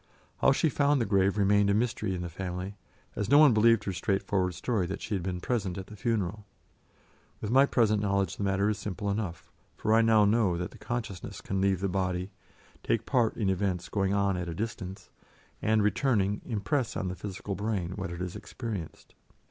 How she found the grave remained a mystery in the family, as no one believed her straightforward story that she had been present at the funeral. With my present knowledge the matter is simple enough, for I now know that the consciousness can leave the body, take part in events going on at a distance, and, returning, impress on the physical brain what it has experienced.